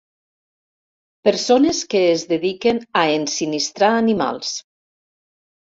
Persones que es dediquen a ensinistrar animals.